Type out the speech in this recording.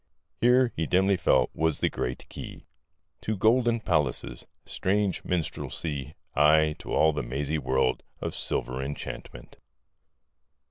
Here, he dimly felt, was the great key To golden palaces, strange minstrelsy, ... aye, to all the mazy world Of silvery enchantment.